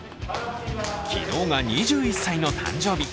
昨日が２１歳の誕生日。